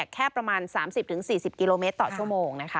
แค่ประมาณ๓๐๔๐กิโลเมตรต่อชั่วโมงนะคะ